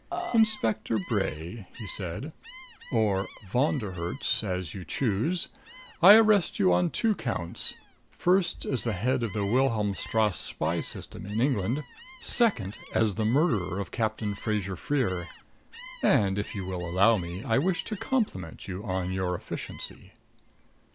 "Inspector Bray," he said, "or Von der Herts, as you choose, I arrest you on two counts: First, as the head of the Wilhelmstrasse spy system in England; second, as the murderer of Captain Fraser Freer. And, if you will allow me, I wish to compliment you on your efficiency."